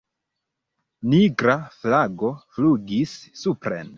Nigra flago flugis supren.